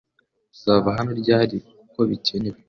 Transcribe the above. Uzava hano ryari kuko bikenewe